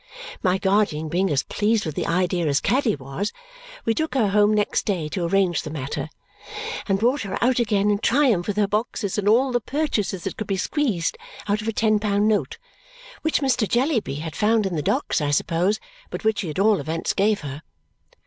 My guardian being as pleased with the idea as Caddy was, we took her home next day to arrange the matter and brought her out again in triumph with her boxes and all the purchases that could be squeezed out of a ten pound note, which Mr. Jellyby had found in the docks I suppose, but which he at all events gave her.